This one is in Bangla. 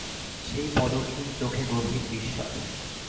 সেই পদকহীন চোখে গভীর বিস্ময়।